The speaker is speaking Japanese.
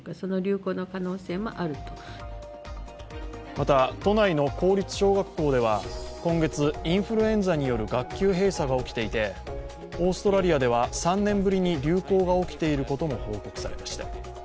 また、都内の公立小学校では今月インフルエンザによる学級閉鎖が起きていて、オーストラリアでは３年ぶりに流行が起きていることも報告されました。